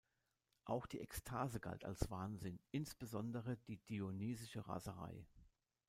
Auch die Ekstase galt als Wahnsinn, insbesondere die dionysische Raserei.